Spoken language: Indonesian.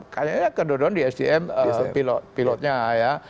kayaknya kedodoran di sdm pilot pilotnya ya